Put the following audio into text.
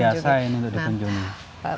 sangat luar biasa ini untuk dikunjungi